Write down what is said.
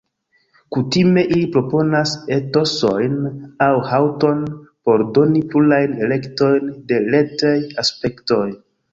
Kutime ili proponas "etosojn" aŭ "haŭton"' por doni plurajn elektojn de retej-aspektoj.